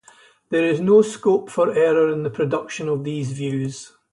There is no scope for error in the production of these views.